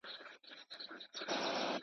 دوهم ځل او دريم ځل يې په هوا كړ.